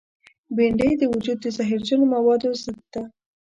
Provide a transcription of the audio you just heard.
بېنډۍ د وجود د زهرجنو موادو ضد ده